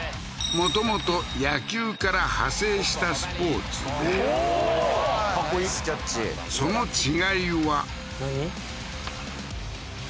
もともと野球から派生したスポーツでおおーナイスキャッチその違いは何？